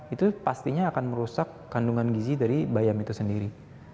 itu pastinya akan merusak kandungan gizi dari bayam itu sendiri